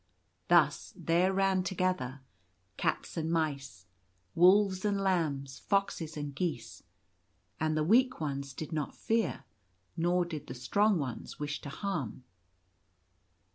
Thus there ran together, cats and mice, wolves and lambs, foxes and geese ; and the weak ones did not fear, nor did the strong ones wish to harm.